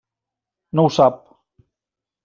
No ho sap.